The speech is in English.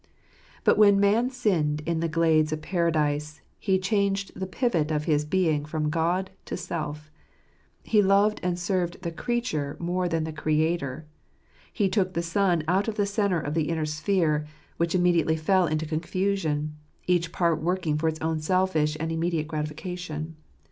But when man sinned in the glades of Paradise, he changed the pivot of his being from God to self; he loved and served the creature more than the Creator; he took the sun out of the centre of the inner sphere, which im mediately fell into confusion, each part working for its own selfish and immediate gratification.